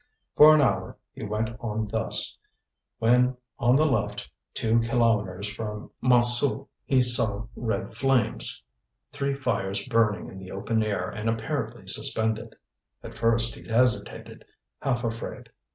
For an hour he went on thus, when on the left, two kilometres from Montsou, he saw red flames, three fires burning in the open air and apparently suspended. At first he hesitated, half afraid.